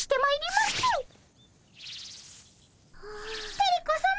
テレ子さま